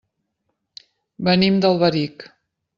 Venim d'Alberic.